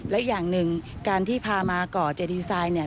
และอย่างหนึ่งการที่พามาก่อเจดีไซน์เนี่ย